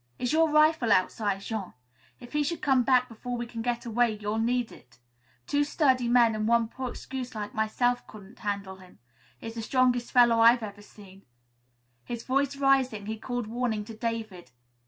Is your rifle outside, Jean? If he should come back before we can get away, you'll need it. Two sturdy men and one poor excuse like myself couldn't handle him. He's the strongest fellow I ever saw." His voice rising he called warning to David.